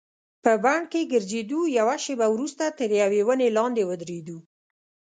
په بڼ کې ګرځېدو، یوه شیبه وروسته تر یوې ونې لاندې ودریدو.